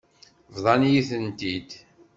Bḍan-iyi-tent-id.